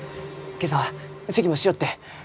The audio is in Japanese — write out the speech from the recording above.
今朝はせきもしよって！